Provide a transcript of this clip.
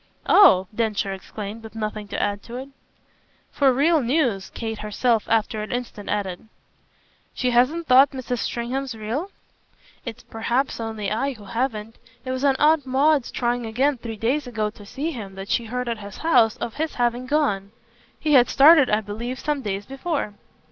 "Oh!" Densher exclaimed, with nothing to add to it. "For real news," Kate herself after an instant added. "She hasn't thought Mrs. Stringham's real?" "It's perhaps only I who haven't. It was on Aunt Maud's trying again three days ago to see him that she heard at his house of his having gone. He had started I believe some days before."